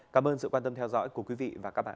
cảm ơn sự quan tâm theo dõi của quý vị và các bạn